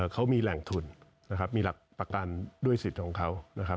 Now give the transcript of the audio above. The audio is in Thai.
เขามีแหล่งทุนมีหลักประกันด้วยสิทธิ์ของเขา